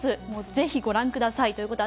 ぜひご覧くださいという事で。